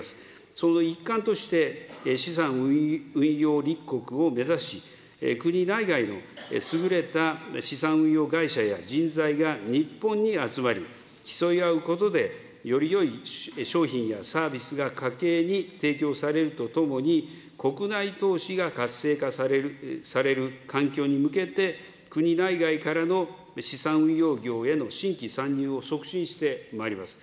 その一環として、資産運用立国を目指し、国内外の優れた資産運用会社や人材が日本に集まり、競い合うことでよりよい商品やサービスが家計に提供されるとともに、国内投資が活性化される環境に向けて、国内外からの資産運用業への新規参入を促進してまいります。